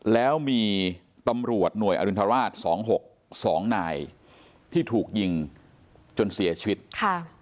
แล้วมีตำรวจหน่วยอรินทราชสองหกสองนายที่ถูกยิงจนเสียชีวิตค่ะ